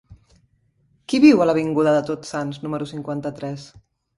Qui viu a l'avinguda de Tots Sants número cinquanta-tres?